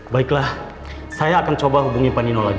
baiklah saya akan coba hubungi pak nino lagi